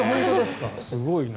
すごいな。